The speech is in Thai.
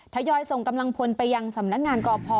ทยอยส่งกำลังพลไปยังสำนักงานกพ